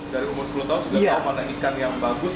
dari umur sepuluh tahun sudah tahu mana ikan yang bagus